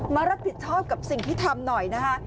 มารับผิดชอบกับสิ่งที่ทำหน่อยนะคะ